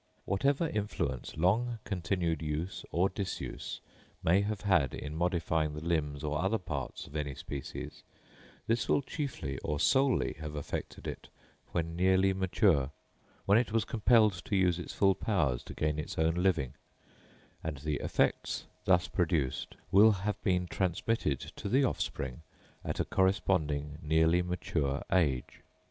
Whatever influence long continued use or disuse may have had in modifying the limbs or other parts of any species, this will chiefly or solely have affected it when nearly mature, when it was compelled to use its full powers to gain its own living; and the effects thus produced will have been transmitted to the offspring at a corresponding nearly mature age.